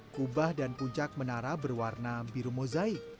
kubah dan puncak menara berwarna biru mozaik